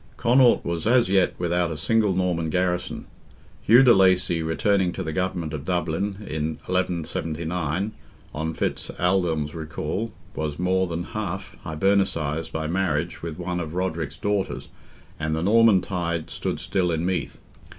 Connaught was as yet without a single Norman garrison. Hugh de Lacy returning to the government of Dublin, in 1179, on Fitz Aldelm's recall, was more than half Hibernicized by marriage with one of Roderick's daughters, and the Norman tide stood still in Meath.